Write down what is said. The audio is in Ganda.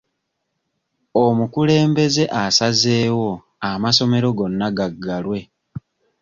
Omukulembeze asazeewo amasomero gonna gaggalwe.